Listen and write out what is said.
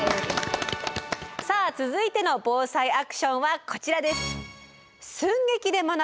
さあ続いての「ＢＯＳＡＩアクション」はこちらです。